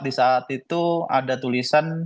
di saat itu ada tulisan